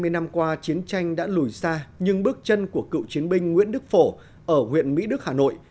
hai mươi năm qua chiến tranh đã lùi xa nhưng bước chân của cựu chiến binh nguyễn đức phổ ở huyện mỹ đức hà nội